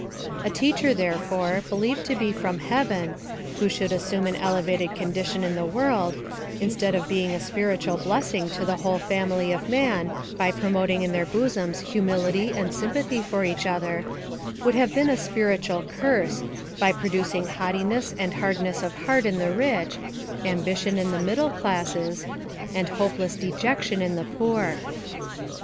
A teacher, therefore, believed to be from heaven, who should assume an elevated condition in the world, instead of being a spiritual blessing to the whole family of man, by promoting in their bosoms humility and sympathy for each Other, would have been a spiritual curse, by produc ing haughtiness and hardness of heart in the richj ambition in the middle classes, and hopeless dejec tion in the poor.